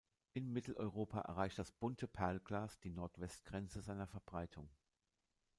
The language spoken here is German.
In Mitteleuropa erreicht das Bunte Perlgras die Nordwestgrenze seiner Verbreitung.